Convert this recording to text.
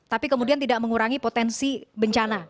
tapi kemudian tidak mengurangi potensi bencana